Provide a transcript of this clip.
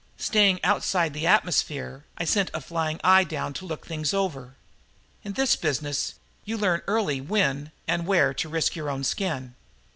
Staying outside the atmosphere, I sent a flying eye down to look things over. In this business, you learn early when and where to risk your own skin.